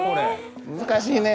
難しいね。